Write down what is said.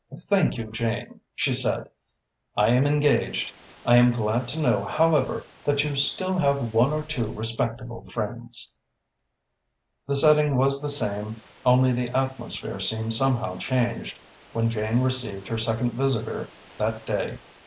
"Thank you, Jane," she said, "I am engaged. I am glad to know, however, that you still have one or two respectable friends." The setting was the same only the atmosphere seemed somehow changed when Jane received her second visitor that day.